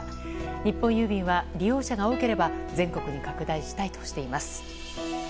日本郵便は利用者が多ければ全国に拡大したいとしています。